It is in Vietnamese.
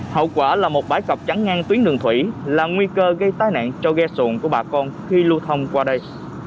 hậu quả là một bãi cọc chắn ngang tuyến đường thủy là nguy cơ gây tai nạn cho ghe xuồng của bà con khi lưu thông qua đây